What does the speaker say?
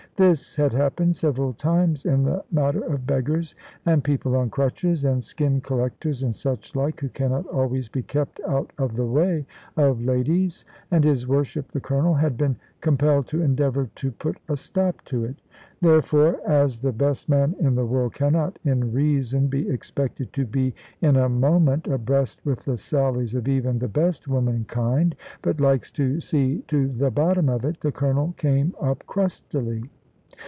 This had happened several times in the matter of beggars and people on crutches, and skin collectors, and suchlike, who cannot always be kept out of the way of ladies; and his worship the Colonel had been compelled to endeavour to put a stop to it. Therefore (as the best man in the world cannot in reason be expected to be in a moment abreast with the sallies of even the best womankind, but likes to see to the bottom of it) the Colonel came up crustily.